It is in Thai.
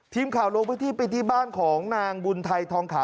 ทีมข่าวลงพื้นที่ไปที่บ้านของนางบุญไทยทองขาว